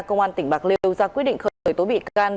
công an tỉnh bạc liêu ra quyết định khởi tố bị can